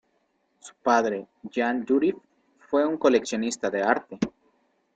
Su padre, Jean Dourif, fue un coleccionista de arte.